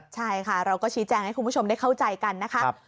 ใช่ค่ะเราก็ชี้แจงให้คุณผู้ชมได้เข้าใจกันนะคะ